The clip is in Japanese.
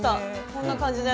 こんな感じで。